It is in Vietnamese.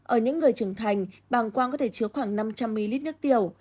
ở những người trưởng thành bàng quang có thể chứa khoảng năm trăm linh ml nước tiểu